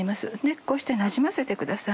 こうしてなじませてください。